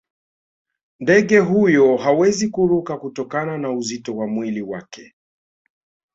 ndege huyo hawezi kuruka kutokana na uzito wa mwili wake